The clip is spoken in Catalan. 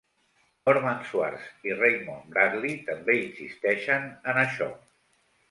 Norman Swartz i Raymond Bradley també insisteixen en això.